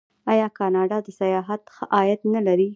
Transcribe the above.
آیا کاناډا د سیاحت ښه عاید نلري؟